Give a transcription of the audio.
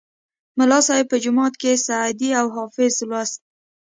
ملا صیب به جومات کې سعدي او حافظ لوست.